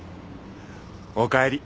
おかえり。